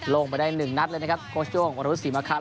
ลงไปได้๑นัทเลยครับโค๊ชโยวของวาระบุ๊ดศรีมาครนะครับ